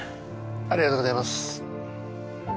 ありがとうございます。